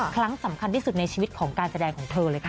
ครั้งสำคัญที่สุดในชีวิตของการแสดงของเธอเลยค่ะ